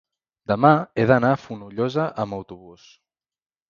demà he d'anar a Fonollosa amb autobús.